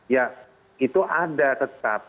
ya itu ada tetap